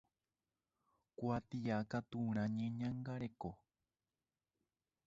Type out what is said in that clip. Kuatiakaturã Ñeñangareko.